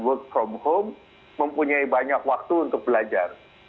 work from home mempunyai banyak waktu untuk belajar